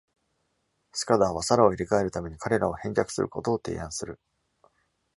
Scudder は Sarah を入れ替えるために彼らを返却することを提案する。